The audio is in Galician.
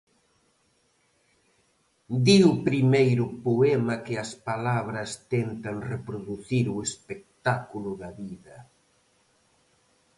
Di o primeiro poema que as palabras tentan reproducir o espectáculo da vida.